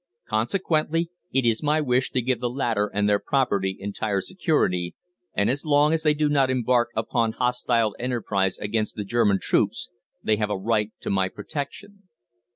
Consequently, it is my wish to give the latter and their property entire security, and as long as they do not embark upon hostile enterprise against the German troops they have a right to my protection.